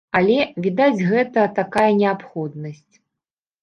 Але, відаць, гэта такая неабходнасць.